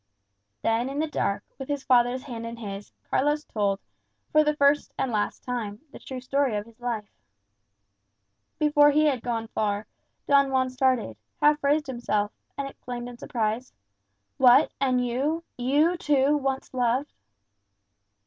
Then in the dark, with his father's hand in his, Carlos told, for the first and last time, the true story of his life. Before he had gone far, Don Juan started, half raised him self, and exclaimed in surprise, "What, and you! you too once loved?"